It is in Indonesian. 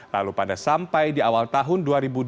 lalu pada sampai di awal tahun dua ribu dua puluh